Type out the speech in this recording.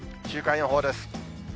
週間予報です。